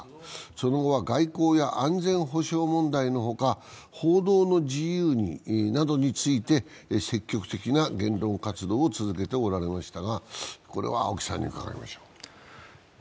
その後は外交や安全保障問題のほか、報道の自由などについて積極的な言論活動を続けておられました。